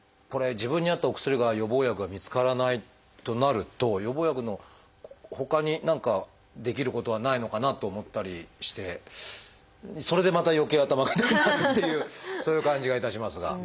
これ自分に合ったお薬が予防薬が見つからないとなると予防薬のほかに何かできることはないのかなと思ったりしてそれでまたよけい頭が痛くなるっていうそういう感じがいたしますが。